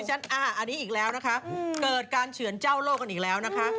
อันนี้อีกแล้วนะคะเกิดการเฉือนเจ้าโลกกันอีกแล้วนะคะ